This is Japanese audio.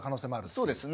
そうですね。